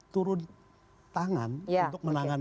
turun tangan untuk menangan